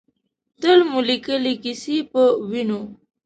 تل مو لیکلې ، کیسه پۀ وینو